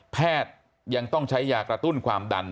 แพทย์ยังต้องใช้ยากระตุ้นความดัน